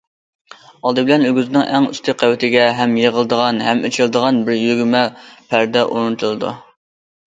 ئالدى بىلەن، ئۆگزىنىڭ ئەڭ ئۈستى قەۋىتىگە ھەم يىغىلىدىغان ھەم ئېچىلىدىغان بىر يۆگىمە پەردە ئورنىتىلىدۇ.